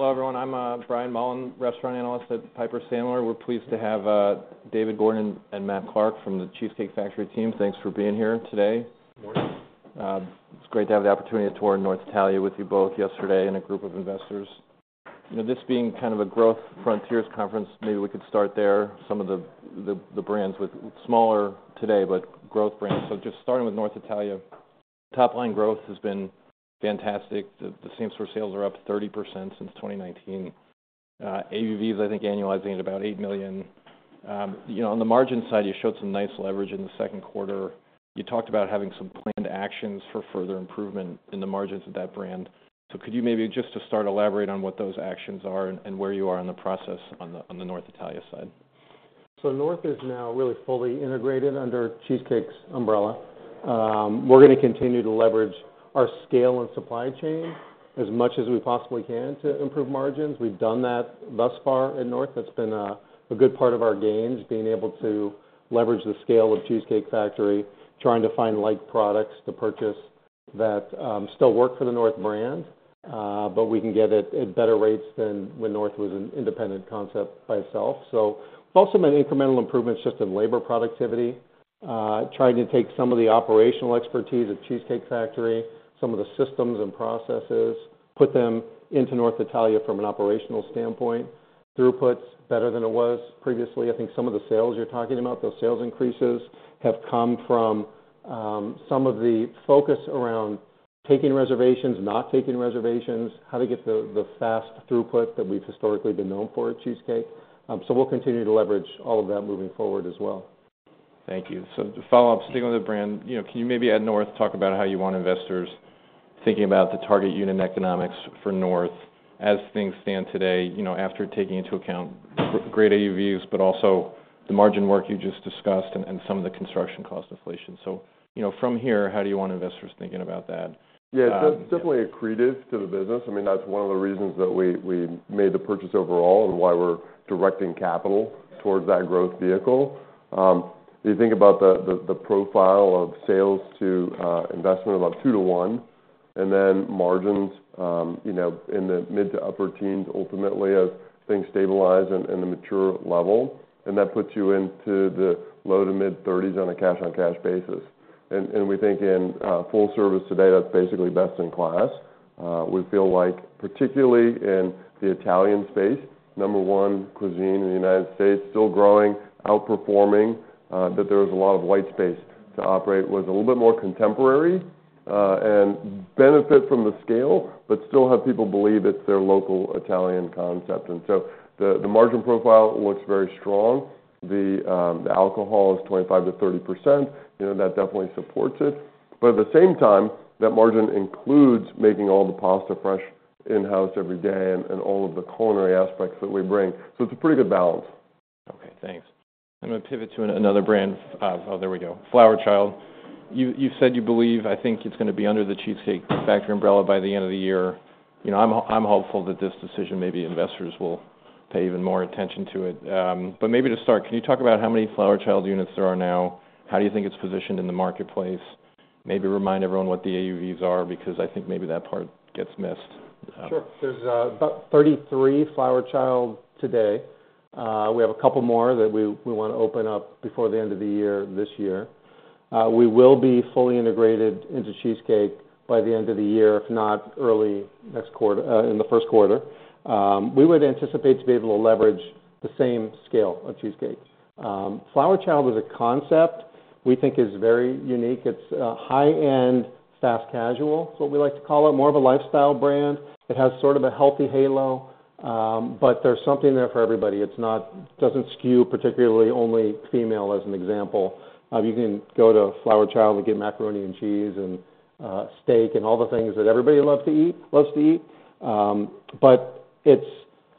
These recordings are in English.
Hello, everyone. I'm Brian Mullan, restaurant analyst at Piper Sandler. We're pleased to have David Gordon and Matt Clark from The Cheesecake Factory team. Thanks for being here today. Good morning. It's great to have the opportunity to tour North Italia with you both yesterday and a group of investors. You know, this being kind of a growth frontiers conference, maybe we could start there. Some of the brands with smaller today, but growth brands. So just starting with North Italia, top line growth has been fantastic. The same store sales are up 30% since 2019. AUVs, I think, annualizing at about $8 million. You know, on the margin side, you showed some nice leverage in the second quarter. You talked about having some planned actions for further improvement in the margins of that brand. So could you maybe, just to start, elaborate on what those actions are and where you are in the process on the North Italia side? So North is now really fully integrated under Cheesecake's umbrella. We're gonna continue to leverage our scale and supply chain as much as we possibly can to improve margins. We've done that thus far in North. That's been a good part of our gains, being able to leverage the scale of Cheesecake Factory, trying to find like products to purchase that still work for the North brand, but we can get it at better rates than when North was an independent concept by itself. So also made incremental improvements just in labor productivity, trying to take some of the operational expertise at Cheesecake Factory, some of the systems and processes, put them into North Italia from an operational standpoint. Throughput's better than it was previously. I think some of the sales you're talking about, those sales increases, have come from some of the focus around taking reservations, not taking reservations, how to get the fast throughput that we've historically been known for at Cheesecake. So we'll continue to leverage all of that moving forward as well. Thank you. So to follow up, sticking with the brand, you know, can you maybe at North, talk about how you want investors thinking about the target unit economics for North as things stand today, you know, after taking into account great AUVs, but also the margin work you just discussed and, and some of the construction cost inflation? So, you know, from here, how do you want investors thinking about that? Yeah, it's definitely accretive to the business. I mean, that's one of the reasons that we made the purchase overall and why we're directing capital towards that growth vehicle. You think about the profile of sales to investment, about 2:1, and then margins, you know, in the mid- to upper-teens, ultimately, as things stabilize in a mature level, and that puts you into the low- to mid-thirties on a cash-on-cash basis. We think in full service today, that's basically best in class. We feel like, particularly in the Italian space, number one cuisine in the United States, still growing, outperforming, that there is a lot of white space to operate with. A little bit more contemporary and benefit from the scale, but still have people believe it's their local Italian concept. The margin profile looks very strong. The alcohol is 25%-30%. You know, that definitely supports it. But at the same time, that margin includes making all the pasta fresh in-house every day and all of the culinary aspects that we bring. So it's a pretty good balance. Okay, thanks. I'm gonna pivot to another brand. Oh, there we go. Flower Child. You've said you believe... I think it's gonna be under the Cheesecake Factory umbrella by the end of the year. You know, I'm hopeful that this decision, maybe investors will pay even more attention to it. But maybe to start, can you talk about how many Flower Child units there are now? How do you think it's positioned in the marketplace? Maybe remind everyone what the AUVs are, because I think maybe that part gets missed. Sure. There's about 33 Flower Child today. We have a couple more that we, we wanna open up before the end of the year, this year. We will be fully integrated into Cheesecake by the end of the year, if not early next quarter, in the first quarter. We would anticipate to be able to leverage the same scale of Cheesecake. Flower Child was a concept we think is very unique. It's a high-end, fast casual, is what we like to call it, more of a lifestyle brand. It has sort of a healthy halo, but there's something there for everybody. It's not- doesn't skew particularly only female, as an example. You can go to Flower Child and get macaroni and cheese and steak, and all the things that everybody loves to eat, loves to eat. But it's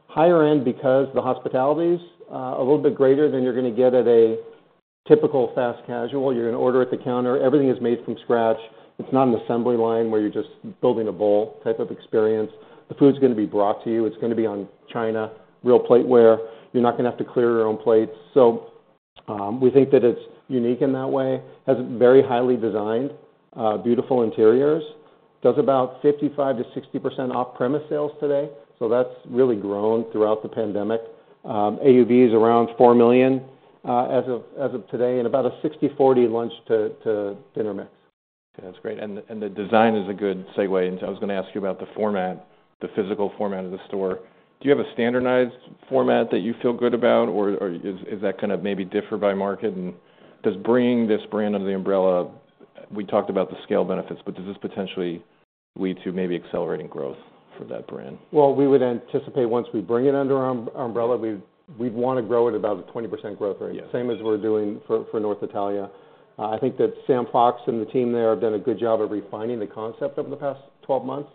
higher end because the hospitality's a little bit greater than you're gonna get at a typical fast casual. You're gonna order at the counter. Everything is made from scratch. It's not an assembly line, where you're just building a bowl type of experience. The food's gonna be brought to you. It's gonna be on china, real plateware. You're not gonna have to clear your own plates. So, we think that it's unique in that way. Has very highly designed, beautiful interiors. Does about 55%-60% off-premise sales today, so that's really grown throughout the pandemic. AUV is around $4 million as of today, and about a 60/40 lunch to dinner mix. That's great, and the design is a good segue. And so I was gonna ask you about the format, the physical format of the store. Do you have a standardized format that you feel good about, or is that gonna maybe differ by market? And does bringing this brand under the umbrella... We talked about the scale benefits, but does this potentially lead to maybe accelerating growth for that brand? Well, we would anticipate once we bring it under our umbrella, we'd wanna grow it about a 20% growth rate- Yeah... same as we're doing for North Italia. I think that Sam Fox and the team there have done a good job of refining the concept over the past 12 months.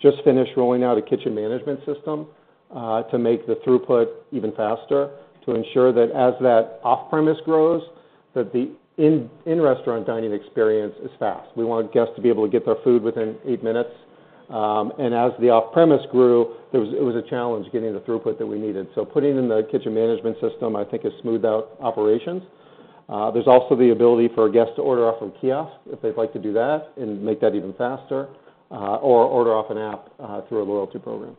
Just finished rolling out a kitchen management system to make the throughput even faster, to ensure that as that off-premise grows, that the in-restaurant dining experience is fast. We want guests to be able to get their food within 8 minutes. And as the off-premise grew, it was a challenge getting the throughput that we needed. So putting in the kitchen management system, I think, has smoothed out operations.... there's also the ability for a guest to order off a kiosk, if they'd like to do that, and make that even faster, or order off an app, through our loyalty program.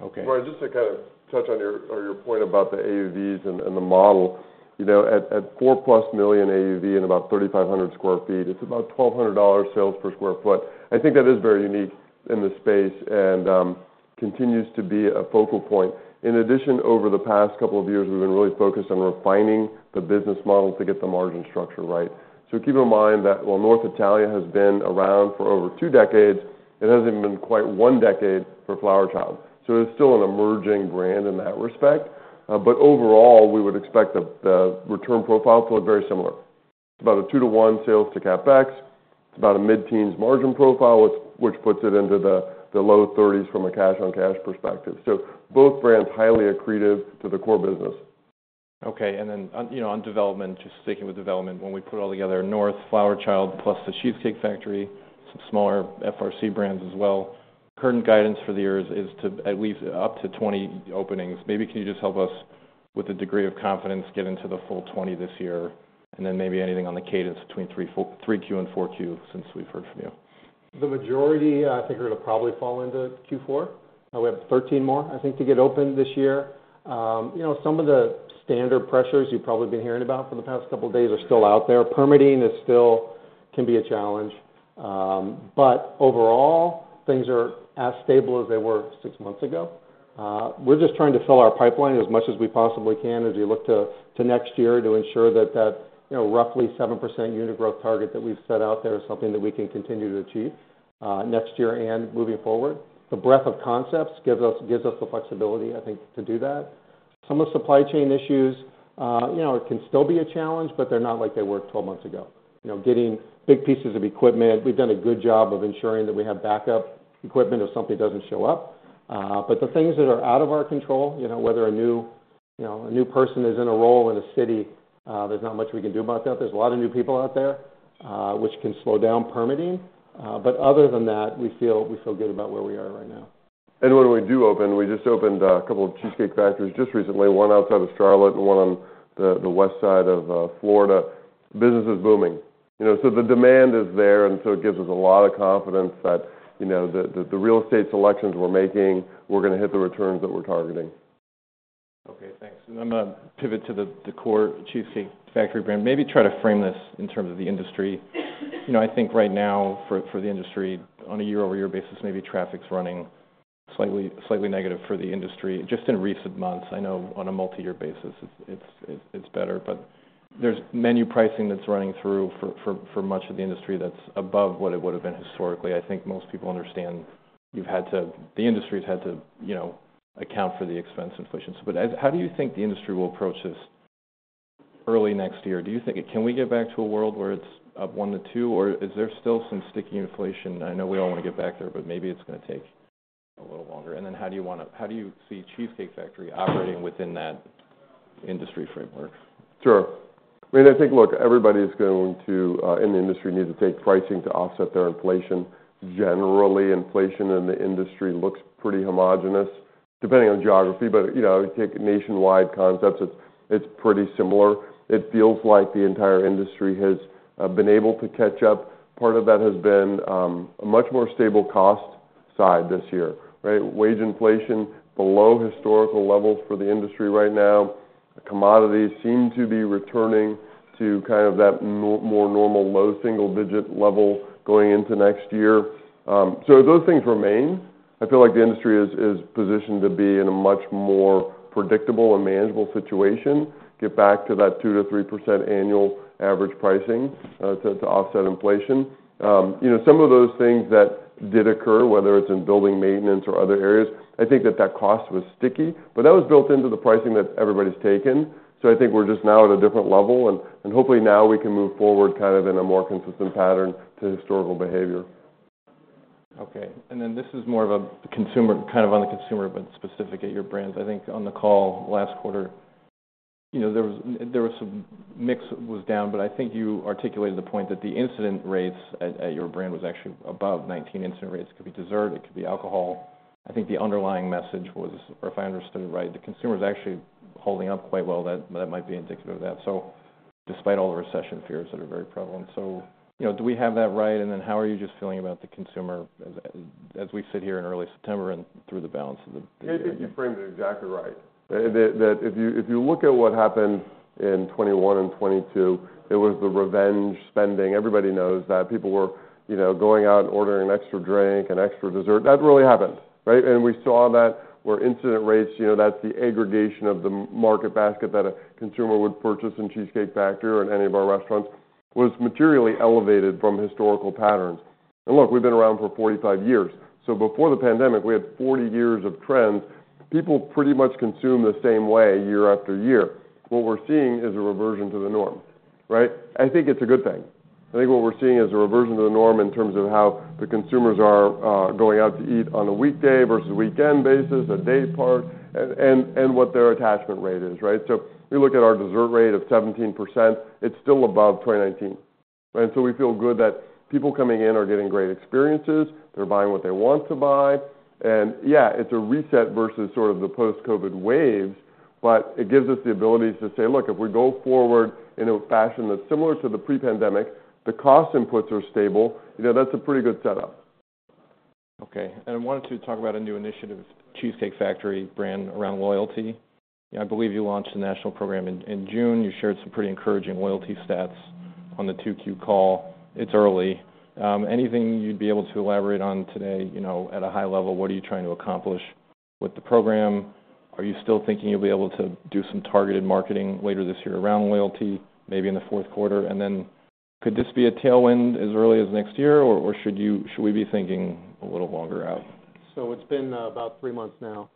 Okay. Right. Just to kind of touch on your point about the AUVs and the model, you know, at 4+ million AUV and about 3,500 sq ft, it's about $1,200 sales per sq ft. I think that is very unique in this space, and continues to be a focal point. In addition, over the past couple of years, we've been really focused on refining the business model to get the margin structure right. So keep in mind that while North Italia has been around for over two decades, it hasn't been quite one decade for Flower Child, so it's still an emerging brand in that respect. But overall, we would expect the return profile to look very similar. About a 2-to-1 sales to CapEx. It's about a mid-teens margin profile, which puts it into the low thirties from a cash-on-cash perspective. So both brands, highly accretive to the core business. Okay. And then on, you know, on development, just sticking with development, when we put it all together, North, Flower Child, plus The Cheesecake Factory, some smaller FRC brands as well, current guidance for the year is to at least up to 20 openings. Maybe can you just help us with a degree of confidence to get into the full 20 this year, and then maybe anything on the cadence between 3Q and 4Q, since we've heard from you? The majority, I think, are gonna probably fall into Q4. We have 13 more, I think, to get open this year. You know, some of the standard pressures you've probably been hearing about for the past couple of days are still out there. Permitting is still can be a challenge, but overall, things are as stable as they were six months ago. We're just trying to fill our pipeline as much as we possibly can as we look to, to next year to ensure that that, you know, roughly 7% unit growth target that we've set out there is something that we can continue to achieve, next year and moving forward. The breadth of concepts gives us, gives us the flexibility, I think, to do that. Some of the supply chain issues, you know, it can still be a challenge, but they're not like they were 12 months ago. You know, getting big pieces of equipment, we've done a good job of ensuring that we have backup equipment if something doesn't show up. But the things that are out of our control, you know, whether a new, you know, a new person is in a role in a city, there's not much we can do about that. There's a lot of new people out there, which can slow down permitting, but other than that, we feel, we feel good about where we are right now. And when we do open, we just opened a couple of Cheesecake Factories just recently, one outside of Charlotte and one on the west side of Florida. Business is booming. You know, so the demand is there, and so it gives us a lot of confidence that, you know, the real estate selections we're making, we're gonna hit the returns that we're targeting. Okay, thanks. I'm gonna pivot to the core Cheesecake Factory brand. Maybe try to frame this in terms of the industry. You know, I think right now, for the industry, on a year-over-year basis, maybe traffic's running slightly negative for the industry, just in recent months. I know on a multi-year basis, it's better, but there's menu pricing that's running through for much of the industry that's above what it would have been historically. I think most people understand you've had to, the industry's had to, you know, account for the expense inflation. But how do you think the industry will approach this early next year? Do you think... Can we get back to a world where it's up one to two, or is there still some sticky inflation? I know we all want to get back there, but maybe it's gonna take a little longer. Then how do you see Cheesecake Factory operating within that industry framework? Sure. I mean, I think, look, everybody is going to, in the industry, need to take pricing to offset their inflation. Generally, inflation in the industry looks pretty homogenous, depending on geography, but, you know, take nationwide concepts, it's, it's pretty similar. It feels like the entire industry has been able to catch up. Part of that has been a much more stable cost side this year, right? Wage inflation, below historical levels for the industry right now. Commodities seem to be returning to kind of that more normal, low single digit level going into next year. So those things remain. I feel like the industry is, is positioned to be in a much more predictable and manageable situation, get back to that 2%-3% annual average pricing, to, to offset inflation. You know, some of those things that did occur, whether it's in building maintenance or other areas, I think that that cost was sticky, but that was built into the pricing that everybody's taken. So I think we're just now at a different level, and hopefully now we can move forward kind of in a more consistent pattern to historical behavior. Okay, and then this is more of a consumer, kind of on the consumer, but specific at your brands. I think on the call last quarter, you know, there was some... Mix was down, but I think you articulated the point that the incident rates at your brand was actually above 19 incident rates. It could be dessert, it could be alcohol. I think the underlying message was, or if I understood it right, the consumer is actually holding up quite well, that might be indicative of that. So despite all the recession fears that are very prevalent. So, you know, do we have that right? And then how are you just feeling about the consumer as we sit here in early September and through the balance of the year? I think you framed it exactly right. That if you look at what happened in 2021 and 2022, it was the revenge spending. Everybody knows that. People were, you know, going out and ordering an extra drink, an extra dessert. That really happened, right? And we saw that where incident rates, you know, that's the aggregation of the market basket that a consumer would purchase in Cheesecake Factory or any of our restaurants, was materially elevated from historical patterns. And look, we've been around for 45 years. So before the pandemic, we had 40 years of trends. People pretty much consume the same way year after year. What we're seeing is a reversion to the norm, right? I think it's a good thing. I think what we're seeing is a reversion to the norm in terms of how the consumers are going out to eat on a weekday versus a weekend basis, a day part, and, and, and what their attachment rate is, right? So if you look at our dessert rate of 17%, it's still above 2019.... And so we feel good that people coming in are getting great experiences, they're buying what they want to buy. And yeah, it's a reset versus sort of the post-COVID waves, but it gives us the ability to say, "Look, if we go forward in a fashion that's similar to the pre-pandemic, the cost inputs are stable." You know, that's a pretty good setup. Okay. I wanted to talk about a new initiative, Cheesecake Factory brand around loyalty. I believe you launched a national program in June. You shared some pretty encouraging loyalty stats on the 2Q call. It's early. Anything you'd be able to elaborate on today, you know, at a high level, what are you trying to accomplish with the program? Are you still thinking you'll be able to do some targeted marketing later this year around loyalty, maybe in the fourth quarter? And then could this be a tailwind as early as next year, or should we be thinking a little longer out? So it's been about three months now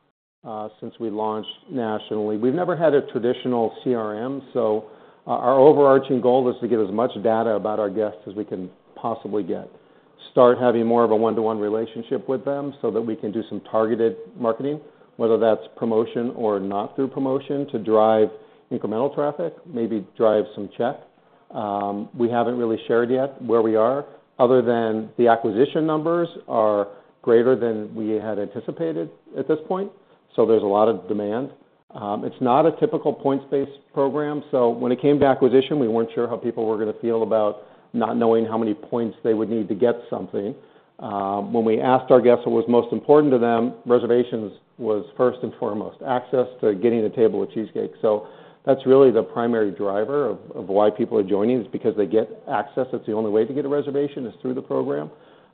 since we launched nationally. We've never had a traditional CRM, so our overarching goal is to get as much data about our guests as we can possibly get. Start having more of a one-to-one relationship with them so that we can do some targeted marketing, whether that's promotion or not through promotion, to drive incremental traffic, maybe drive some check. We haven't really shared yet where we are, other than the acquisition numbers are greater than we had anticipated at this point, so there's a lot of demand. It's not a typical points-based program, so when it came to acquisition, we weren't sure how people were gonna feel about not knowing how many points they would need to get something. When we asked our guests what was most important to them, reservations was first and foremost. Access to getting a table with Cheesecake. So that's really the primary driver of why people are joining, is because they get access. That's the only way to get a reservation, is through the program.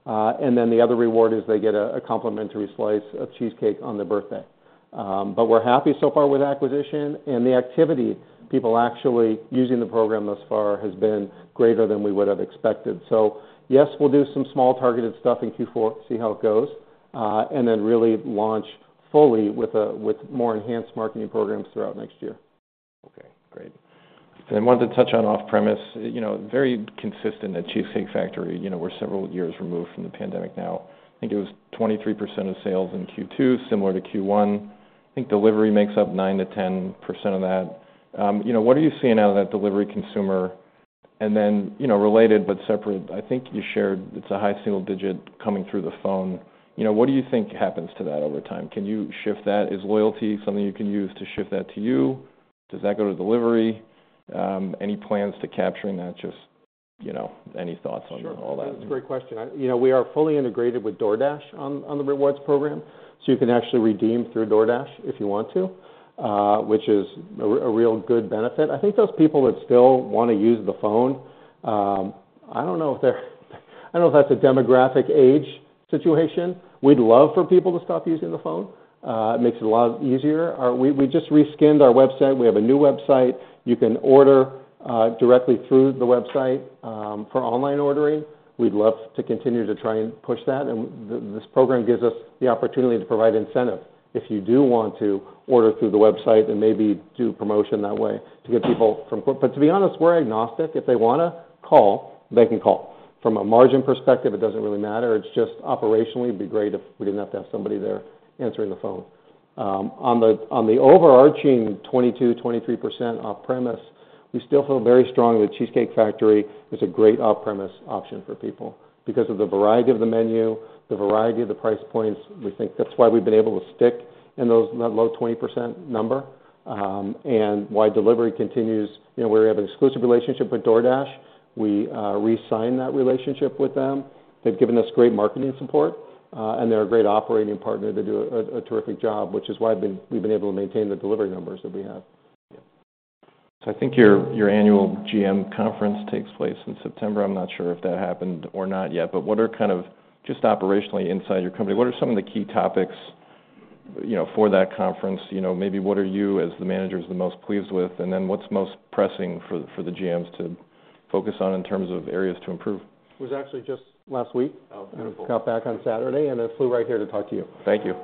And then the other reward is they get a complimentary slice of cheesecake on their birthday. But we're happy so far with acquisition, and the activity, people actually using the program thus far has been greater than we would have expected. So yes, we'll do some small targeted stuff in Q4, see how it goes, and then really launch fully with more enhanced marketing programs throughout next year. Okay, great. Then I wanted to touch on off-premise. You know, very consistent at Cheesecake Factory, you know, we're several years removed from the pandemic now. I think it was 23% of sales in Q2, similar to Q1. I think delivery makes up 9%-10% of that. You know, what are you seeing out of that delivery consumer? And then, you know, related but separate, I think you shared it's a high single digit coming through the phone. You know, what do you think happens to that over time? Can you shift that? Is loyalty something you can use to shift that to you? Does that go to delivery? Any plans to capturing that? Just, you know, any thoughts on all that. Sure. That's a great question. You know, we are fully integrated with DoorDash on the rewards program, so you can actually redeem through DoorDash if you want to, which is a real good benefit. I think those people that still wanna use the phone, I don't know if that's a demographic age situation. We'd love for people to stop using the phone. It makes it a lot easier. We just re-skinned our website. We have a new website. You can order directly through the website for online ordering. We'd love to continue to try and push that, and this program gives us the opportunity to provide incentive if you do want to order through the website and maybe do promotion that way to get people from... But to be honest, we're agnostic. If they wanna call, they can call. From a margin perspective, it doesn't really matter. It's just operationally, it'd be great if we didn't have to have somebody there answering the phone. On the overarching 22%-23% off-premise, we still feel very strongly that Cheesecake Factory is a great off-premise option for people. Because of the variety of the menu, the variety of the price points, we think that's why we've been able to stick in those- that low 20% number, and why delivery continues. You know, we have an exclusive relationship with DoorDash. We re-signed that relationship with them. They've given us great marketing support, and they're a great operating partner. They do a terrific job, which is why we've been able to maintain the delivery numbers that we have. So I think your annual GM conference takes place in September. I'm not sure if that happened or not yet. But what are kind of, just operationally inside your company, what are some of the key topics, you know, for that conference? You know, maybe what are you, as the manager, is the most pleased with, and then what's most pressing for the GMs to focus on in terms of areas to improve? It was actually just last week. Oh, beautiful. Got back on Saturday, and I flew right here to talk to you. Thank you.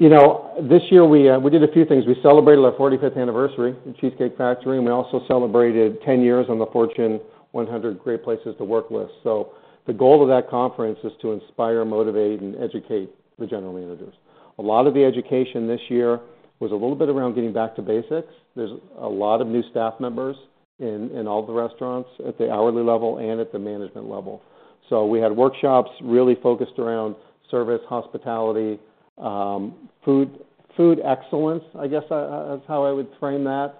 You know, this year we did a few things. We celebrated our 45th anniversary in The Cheesecake Factory, and we also celebrated 10 years on the Fortune 100 Best Companies to Work For. So the goal of that conference is to inspire, motivate, and educate the general managers. A lot of the education this year was a little bit around getting back to basics. There's a lot of new staff members in all the restaurants, at the hourly level and at the management level. So we had workshops really focused around service, hospitality, food excellence, I guess is how I would frame that.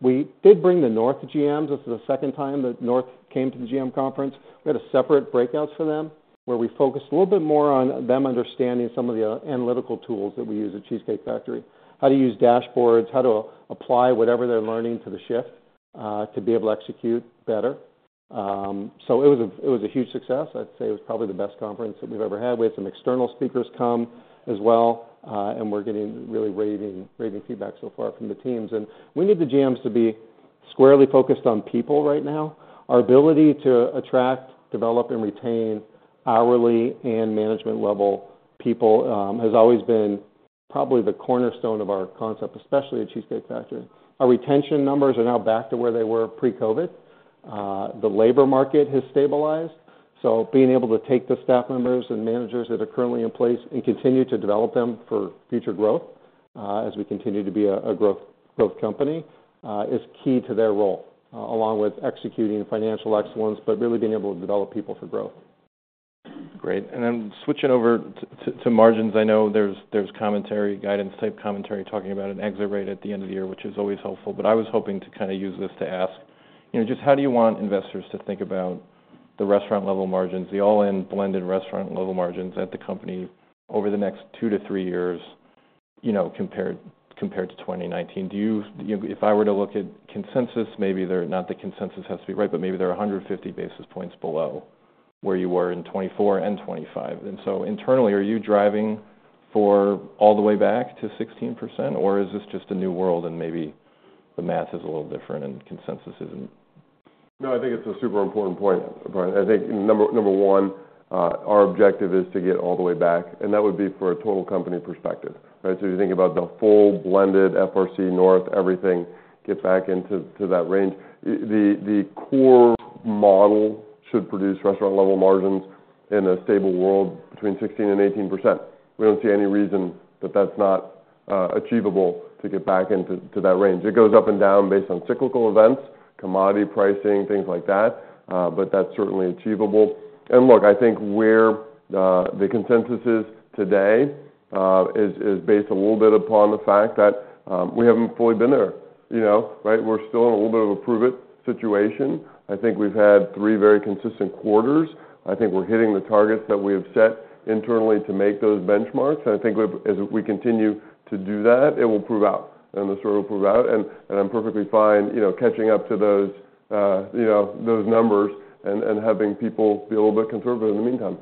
We did bring the North GMs. This is the second time that North came to the GM conference. We had separate breakouts for them, where we focused a little bit more on them understanding some of the analytical tools that we use at Cheesecake Factory. How to use dashboards, how to apply whatever they're learning to the shift, to be able to execute better. So it was a huge success. I'd say it was probably the best conference that we've ever had. We had some external speakers come as well, and we're getting really raving, raving feedback so far from the teams. And we need the GMs to be squarely focused on people right now. Our ability to attract, develop, and retain hourly and management-level people has always been probably the cornerstone of our concept, especially at Cheesecake Factory. Our retention numbers are now back to where they were pre-COVID. The labor market has stabilized. So being able to take the staff members and managers that are currently in place and continue to develop them for future growth, as we continue to be a growth company, is key to their role, along with executing financial excellence, but really being able to develop people for growth. Great. And then switching over to margins, I know there's commentary, guidance-type commentary, talking about an exit rate at the end of the year, which is always helpful, but I was hoping to kind of use this to ask, you know, just how do you want investors to think about the restaurant level margins, the all-in blended restaurant level margins at the company over the next two to three years, you know, compared to 2019? Do you—if I were to look at consensus, maybe they're not the consensus has to be right, but maybe they're 150 basis points below where you were in 2024 and 2025. And so internally, are you driving for all the way back to 16%? Or is this just a new world and maybe the math is a little different and consensus isn't? No, I think it's a super important point, Brian. I think number, number one, our objective is to get all the way back, and that would be for a total company perspective, right? So if you think about the full blended FRC North, everything, get back into to that range. The core model should produce restaurant-level margins in a stable world between 16%-18%. We don't see any reason that that's not achievable to get back into to that range. It goes up and down based on cyclical events, commodity pricing, things like that, but that's certainly achievable. And look, I think where the consensus is today is based a little bit upon the fact that we haven't fully been there, you know? Right, we're still in a little bit of a prove-it situation. I think we've had three very consistent quarters. I think we're hitting the targets that we have set internally to make those benchmarks. I think we've as we continue to do that, it will prove out, and the story will prove out, and, and I'm perfectly fine, you know, catching up to those, you know, those numbers and, and having people be a little bit conservative in the meantime.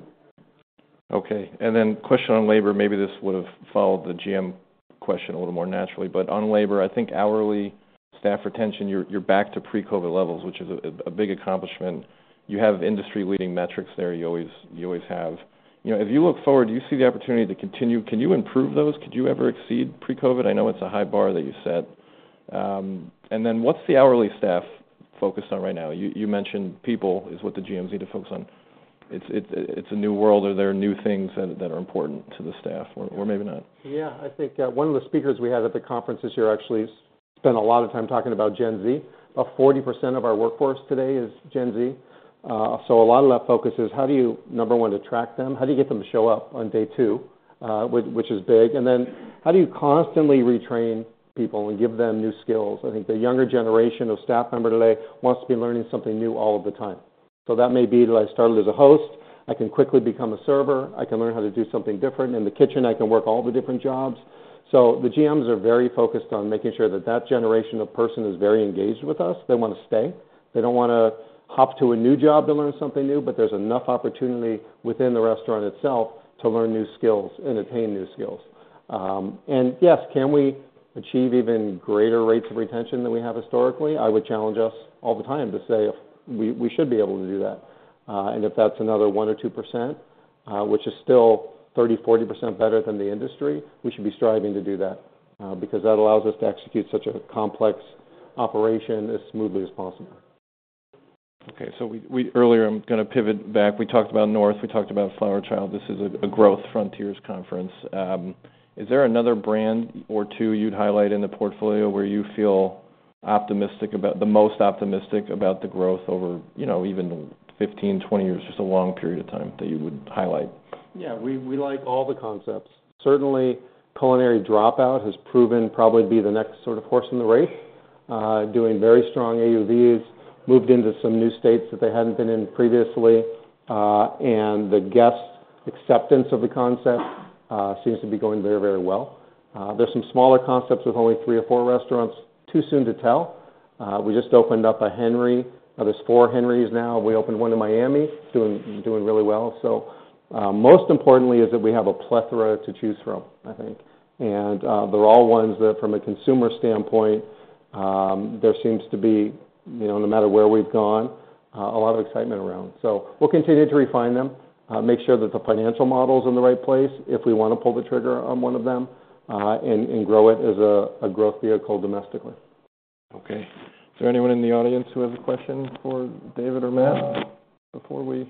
Okay. And then question on labor, maybe this would have followed the GM question a little more naturally, but on labor, I think hourly staff retention, you're back to pre-COVID levels, which is a big accomplishment. You have industry-leading metrics there. You always have. You know, as you look forward, do you see the opportunity to continue? Can you improve those? Could you ever exceed pre-COVID? I know it's a high bar that you set. And then what's the hourly staff focused on right now? You mentioned people is what the GMs need to focus on. It's a new world, are there new things that are important to the staff or maybe not? Yeah, I think one of the speakers we had at the conference this year actually spent a lot of time talking about Gen Z. About 40% of our workforce today is Gen Z. So a lot of that focus is how do you, number one, attract them? How do you get them to show up on day two? Which is big. And then how do you constantly retrain people and give them new skills? I think the younger generation of staff member today wants to be learning something new all of the time. So that may be that I started as a host, I can quickly become a server, I can learn how to do something different in the kitchen, I can work all the different jobs. So the GMs are very focused on making sure that that generation of person is very engaged with us. They want to stay. They don't wanna hop to a new job to learn something new, but there's enough opportunity within the restaurant itself to learn new skills and attain new skills. And yes, can we achieve even greater rates of retention than we have historically? I would challenge us all the time to say if we should be able to do that. And if that's another 1 or 2%, which is still 30, 40% better than the industry, we should be striving to do that, because that allows us to execute such a complex operation as smoothly as possible. Okay. So we earlier... I'm gonna pivot back. We talked about North, we talked about Flower Child. This is a growth frontiers conference. Is there another brand or two you'd highlight in the portfolio, where you feel optimistic about, the most optimistic about the growth over, you know, even 15, 20 years, just a long period of time, that you would highlight? Yeah, we like all the concepts. Certainly, Culinary Dropout has proven probably to be the next sort of horse in the race. Doing very strong AUVs, moved into some new states that they hadn't been in previously, and the guest acceptance of the concept seems to be going very, very well. There's some smaller concepts with only three or four restaurants. Too soon to tell. We just opened up a Henry. There's four Henrys now. We opened one in Miami, doing really well. So, most importantly is that we have a plethora to choose from, I think. And, they're all ones that, from a consumer standpoint, there seems to be, you know, no matter where we've gone, a lot of excitement around. So we'll continue to refine them, make sure that the financial model's in the right place if we want to pull the trigger on one of them, and grow it as a growth vehicle domestically. Okay. Is there anyone in the audience who has a question for David or Matt before we-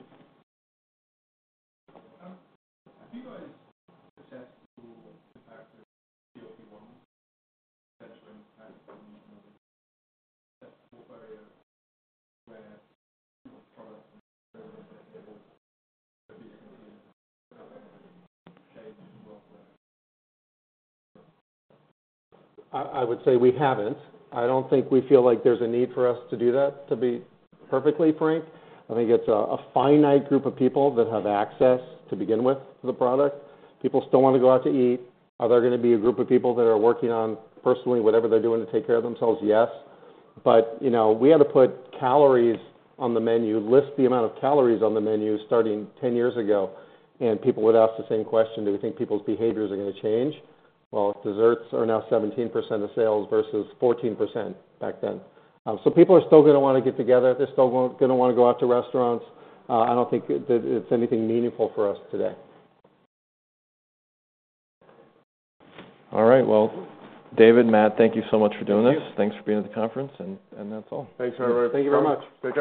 have you guys assessed the fact that GLP-1 portfolio where products I would say we haven't. I don't think we feel like there's a need for us to do that, to be perfectly frank. I think it's a finite group of people that have access to begin with, to the product. People still want to go out to eat. Are there gonna be a group of people that are working on personally, whatever they're doing, to take care of themselves? Yes. But, you know, we had to put calories on the menu, list the amount of calories on the menu starting 10 years ago, and people would ask the same question: Do we think people's behaviors are gonna change? Well, desserts are now 17% of sales versus 14% back then. So people are still gonna wanna get together. They're still gonna wanna go out to restaurants. I don't think that it's anything meaningful for us today. All right. Well, David, Matt, thank you so much for doing this. Thank you. Thanks for being at the conference, and that's all. Thanks, everyone. Thank you very much. Great to be here.